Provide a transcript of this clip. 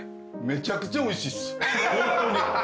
めちゃくちゃおいしいっすホントに。